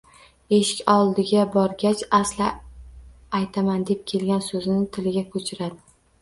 Eshik oldiga borgach, asli aytaman deb kelgan so`zini tiliga ko`chiradi